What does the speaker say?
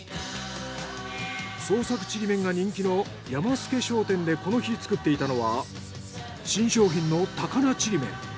創作ちりめんが人気のやま助商店でこの日作っていたのは新商品の高菜ちりめん。